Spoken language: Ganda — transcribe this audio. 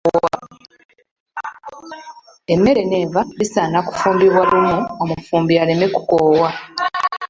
Emmere n’enva bisaana kufumbibwa lumu omufumbi aleme kukoowa.